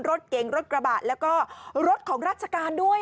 รถเก๋งรถกระบะแล้วก็รถของราชการด้วย